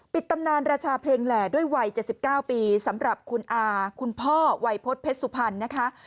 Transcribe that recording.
ตำนานราชาเพลงแหล่ด้วยวัย๗๙ปีสำหรับคุณอาคุณพ่อวัยพฤษเพชรสุพรรณนะคะ